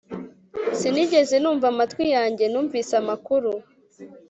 Sinigeze numva amatwi yanjye numvise amakuru